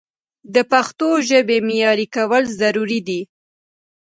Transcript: د پښتو ژبې معیاري کول ضروري دي.